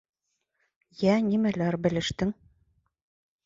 Йә, нимәләр белештең?